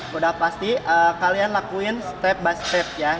sudah pasti kalian lakukan langkah demi langkah